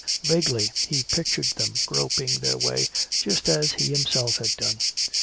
Vaguely he pictured them groping their way, just as he himself had done.